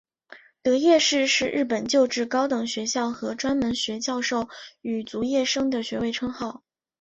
得业士是日本旧制高等学校和专门学校授与卒业生的学位称号。